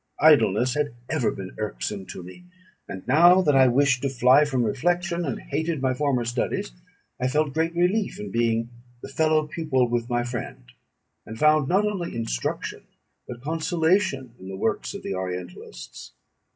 Idleness had ever been irksome to me, and now that I wished to fly from reflection, and hated my former studies, I felt great relief in being the fellow pupil with my friend, and found not only instruction but consolation in the works of the orientalists.